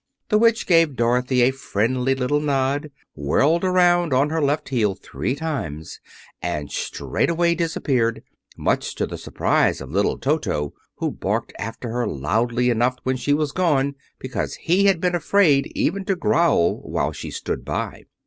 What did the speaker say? The Witch gave Dorothy a friendly little nod, whirled around on her left heel three times, and straightway disappeared, much to the surprise of little Toto, who barked after her loudly enough when she had gone, because he had been afraid even to growl while she stood by.